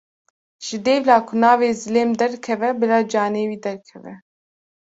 Ji dêvla ku navê zilêm derkeve bila canê wî derkeve.